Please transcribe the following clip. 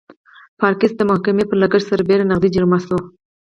پارکس د محکمې پر لګښت سربېره نغدي جریمه شوه.